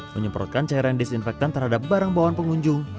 menyemprotkan cairan disinfektan terhadap barang bawaan pengunjung